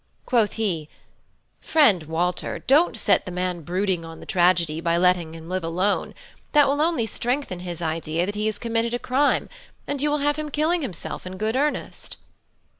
Quoth he: "Friend Walter, don't set the man brooding on the tragedy by letting him live alone. That will only strengthen his idea that he has committed a crime, and you will have him killing himself in good earnest."